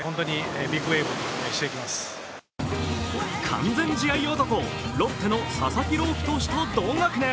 完全試合男、ロッテの佐々木朗希投手と同学年。